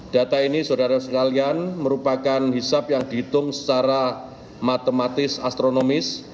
data ini saudara saudara sekalian merupakan hisap yang dihitung secara matematis astronomis